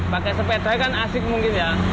pakai sepeda kan asik mungkin ya